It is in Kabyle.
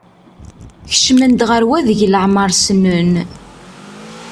Kecmen-d ɣer wadeg leɛmer ssnen.